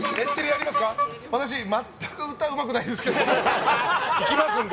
私、全く歌うまくないですけど行きますから。